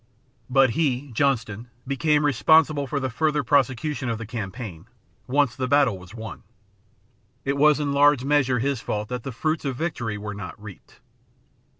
But he, Johnston, became responsible for the further prosecution of the campaign, once the battle was won. It was in large measure his fault that the fruits of victory were not reaped.